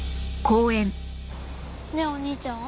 ねえお兄ちゃん。